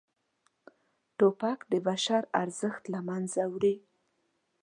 توپک د بشر ارزښت له منځه وړي.